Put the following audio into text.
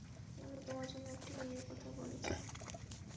উনি তোমার জন্য একটি মেয়ের কথা বলেছেন।